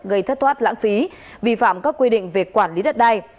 gây thất thoát lãng phí vi phạm các quy định về quản lý đất đai